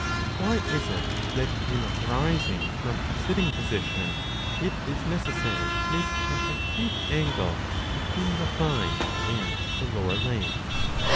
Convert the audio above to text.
Why is it that in rising from a sitting position it is necessary to make an acute angle between the thigh and the lower leg